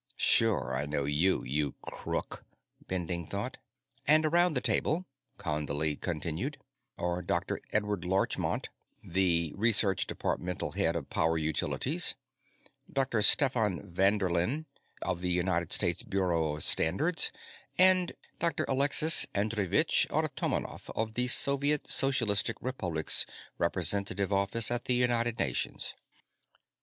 Sure I know you, you crook, Bending thought. "And, around the table," Condley continued, "are Dr. Edward Larchmont, the research departmental head of Power Utilities Dr. Stefan Vanderlin, of the United States Bureau of Standards and Dr. Alexis Andreevich Artomonov, of the Soviet Socialist Republics' representative office at the United Nations."